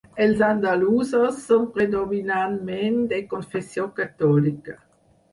Els andalusos són predominantment de confessió catòlica.